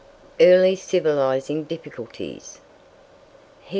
EARLY CIVILIZING DIFFICULTIES.